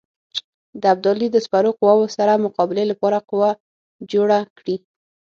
د ابدالي د سپرو قواوو سره مقابلې لپاره قوه جوړه کړي.